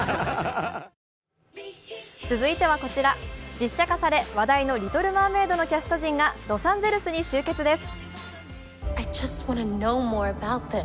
実写化され話題の「リトル・マーメイド」のキャスト陣がロサンゼルスに集結です。